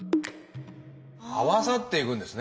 合わさっていくんですね。